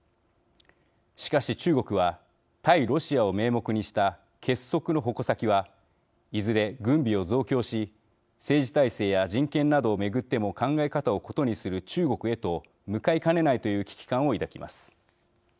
しかし、中国は対ロシアを名目にした結束の矛先はいずれ軍備を増強し政治体制や人権などを巡っても考え方を異にする中国へと向かいかねないという危機感を抱きます。